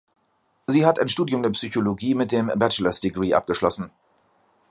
Sie hat ein Studium der Psychologie mit dem "Bachelors Degree" abgeschlossen.